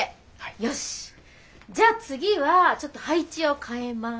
よしじゃあ次はちょっと配置を変えます。